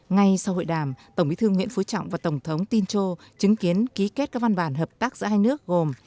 ngay sau hội đàm tổng bí thư nguyễn phú trọng và tổng thống tinch châu chứng kiến ký kết các văn bản hợp tác giữa hai nước gồm